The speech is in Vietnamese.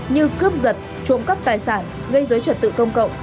như cướp giật trộm cắp tài sản gây dối trật tự công cộng